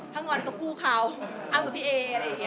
ถ้างอนก็คู่เขาเอ้าสักพี่เออะไรอย่างนี้อารมณ์นี้